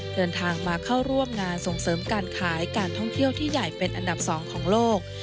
เดินทางมาเข้าร่วมงานส่งเสริมการขายการท่องเที่ยวที่ใหญ่เป็นอันดับ๒ของโลก